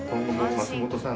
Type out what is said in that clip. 松本さん